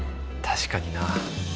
確かにな